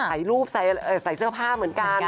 ถ่ายรูปใส่เสื้อผ้าเหมือนกัน